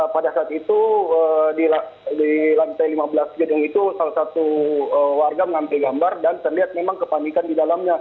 pada saat itu di lantai lima belas gedung itu salah satu warga mengambil gambar dan terlihat memang kepanikan di dalamnya